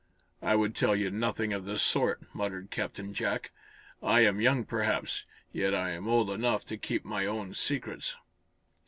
"I would tell you nothing of the sort," muttered Captain Jack. "I am young, perhaps, yet I'm old enough to keep my own secrets."